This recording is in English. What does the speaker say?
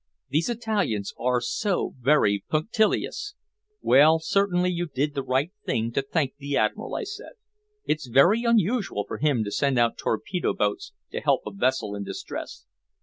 These Italians are so very punctilious." "Well, you certainly did the right thing to thank the Admiral," I said. "It's very unusual for him to send out torpedo boats to help a vessel in distress.